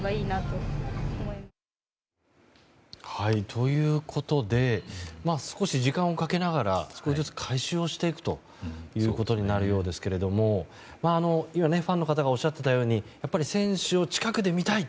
ということで少し時間をかけながら少しずつ改修をしていくということになるようですがファンの方がおっしゃっていたようにやっぱり選手を近くで見たい。